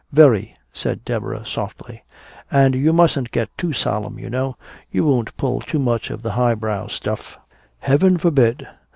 "Very," said Deborah softly. "And you mustn't get too solemn, you know. You won't pull too much of the highbrow stuff." "Heaven forbid!"